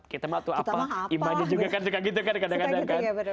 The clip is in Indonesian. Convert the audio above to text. kita mak tuh apa imannya juga kan suka gitu kan kadang kadang kan